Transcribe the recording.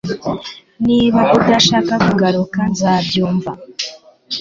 Niba udashaka kugaruka nzabyumva